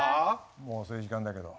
もう遅い時間だけど。